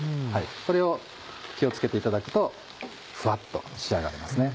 これを気を付けていただくとふわっと仕上がりますね。